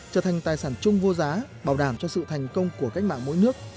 trở thành tài sản chung vô giá bảo đảm cho sự thành công của cách mạng mỗi nước